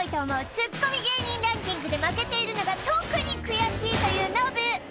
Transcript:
ツッコミ芸人ランキングで負けているのが特に悔しいというノブ